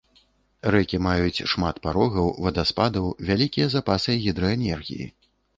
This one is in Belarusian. Рэкі маюць шмат парогаў, вадаспадаў, вялікія запасы гідраэнергіі.